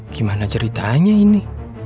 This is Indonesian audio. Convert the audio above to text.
gimana ceritanya ini